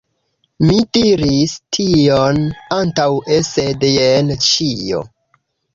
Mi diris tion antaŭe, sed jen ĉio.